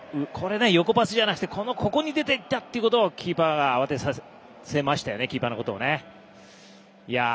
横パスじゃなくてここに出て行ったということがキーパーを慌てさせましたよね。